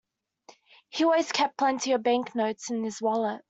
He always kept plenty of banknotes in his wallet